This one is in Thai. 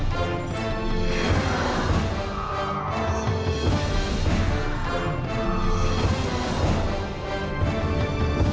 โปรดติดตามตอนต่อไป